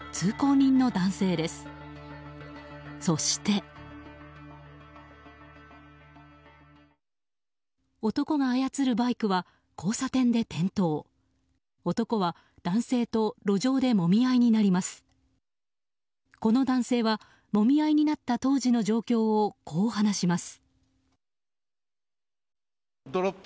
この男性はもみ合いになった当時の状況をこう話します。